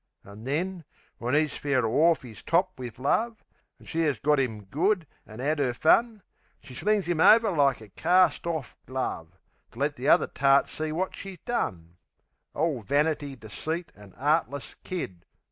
An' then, when 'e's fair orf 'is top wiv love, When she 'as got 'im good an' 'ad 'er fun, She slings 'im over like a carst orf glove, To let the other tarts see wot she's done. All vanity, deceit an' 'eartless kid!